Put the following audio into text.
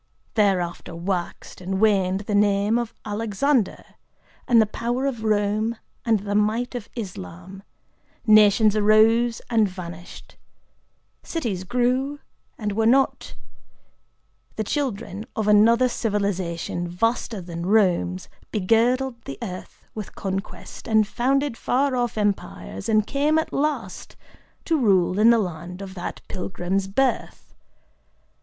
Thereafter waxed and waned the name of Alexander, and the power of Rome and the might of Islam;—nations arose and vanished;—cities grew and were not;—the children of another civilization, vaster than Romes, begirdled the earth with conquest, and founded far off empires, and came at last to rule in the land of that pilgrim's birth.